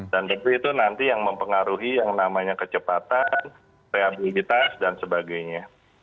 dan itu nanti yang mempengaruhi yang namanya kecepatan rehabilitas dan sebagainya